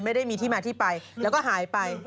ไม่ได้มีที่มาที่ไปแล้วก็หายไป